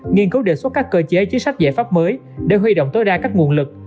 nghiên cứu đề xuất các cơ chế chính sách giải pháp mới để huy động tối đa các nguồn lực